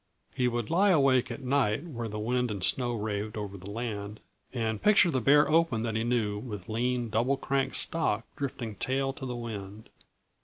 He would lie awake at night when the wind and snow raved over the land, and picture the bare open that he knew, with lean, Double Crank stock drifting tail to the wind.